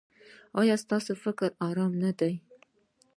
ایا ستاسو فکر ارام نه دی؟